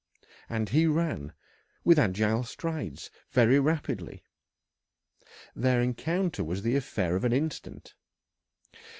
And he ran, with agile strides, very rapidly. Their encounter was the affair of an instant.